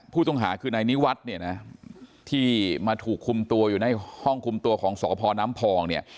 ผู้ต้องหาคือนายนิวัฒน์เนี่ยนะที่มาถูกคุมตัวอยู่ในห้องคุมตัวของสพน้ำพองเนี่ย